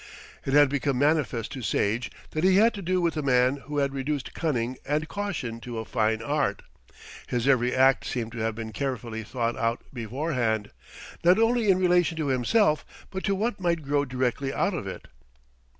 It had become manifest to Sage that he had to do with a man who had reduced cunning and caution to a fine art. His every act seemed to have been carefully thought out beforehand, not only in relation to himself, but to what might grow directly out of it.